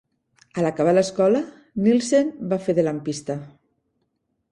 A l'acabar l'escola, Nilsen va fer de lampista.